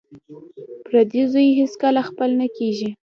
پردی زوی هېڅکله خپل نه کیږي